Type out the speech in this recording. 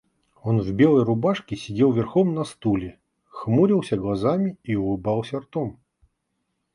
Он в белой рубашке сидел верхом на стуле, хмурился глазами и улыбался ртом.